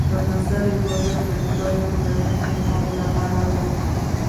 یوه نظریه وایي دا ځای د کورني مقام له امله و.